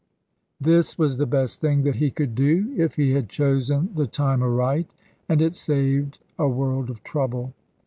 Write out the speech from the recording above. This was the best thing that he could do, if he had chosen the time aright; and it saved a world of trouble.